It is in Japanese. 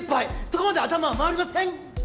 そこまで頭は回りません！